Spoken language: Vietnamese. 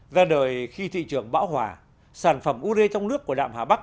ra đời khi thị trường bão hòa sản phẩm ure trong nước của đạm hà bắc